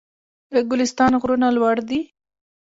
د ګلستان غرونه لوړ دي